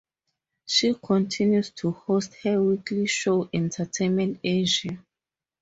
She continues to host her weekly show, "Entertainment Asia".